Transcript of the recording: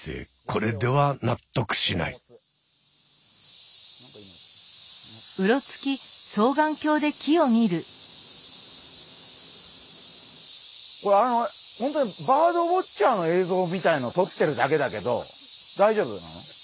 これ本当にバードウォッチャーの映像みたいのをとってるだけだけど大丈夫なの？